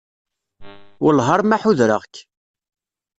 Wellah arma ḥudreɣ-k.